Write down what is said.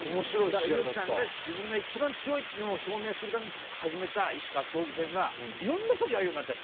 だから猪木さんが自分が一番強いのを証明するために始めた異種格闘技戦がいろんな人とやるようになっちゃってさ。